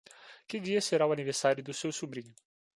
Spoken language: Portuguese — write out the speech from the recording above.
Que dia será o aniversário do seu sobrinho?